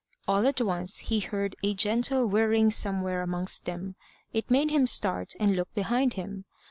All at once he heard a gentle whirring somewhere amongst them. It made him start and look behind him.